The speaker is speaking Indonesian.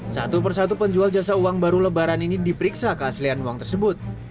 satu persatu penjual jasa uang baru lebaran ini diperiksa keaslian uang tersebut